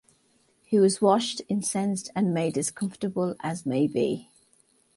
He is washed, incensed, and made as comfortable as may be.